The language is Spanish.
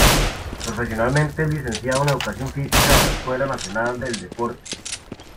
Profesionalmente es licenciado en Educación física de la Escuela Nacional del Deporte.